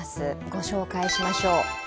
ご紹介しましょう。